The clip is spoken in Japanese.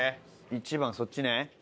一番そっちね。